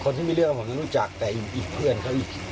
คนที่มีเรื่องผมยังรู้จักแต่อีกเพื่อนเขาอีก